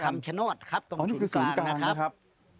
คำชะนดครับตรงศูนย์กลางนะครับ